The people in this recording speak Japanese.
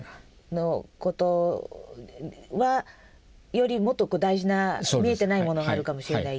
よりもっとこう大事な見えてないものがあるかもしれないっていう。